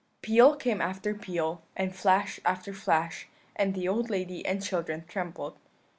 "Peal came after peal, and flash after flash; and the old lady and children trembled.